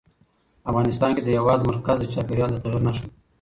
افغانستان کې د هېواد مرکز د چاپېریال د تغیر نښه ده.